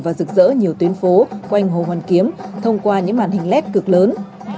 và rực rỡ nhiều tuyến phố quanh hồ hoàn kiếm thông qua những màn hình led cực lớn